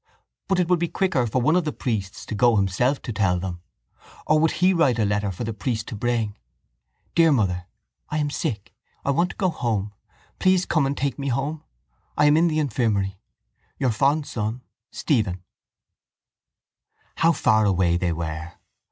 But it would be quicker for one of the priests to go himself to tell them. Or he would write a letter for the priest to bring. Dear Mother, I am sick. I want to go home. Please come and take me home. I am in the infirmary. Your fond son, Stephen How far away they were!